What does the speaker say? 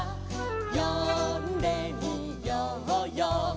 「よんでみようよ